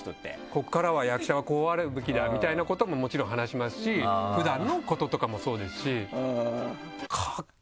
ここからは役者はこうあるべきだみたいなことももちろん話しますし普段のこととかもそうですし。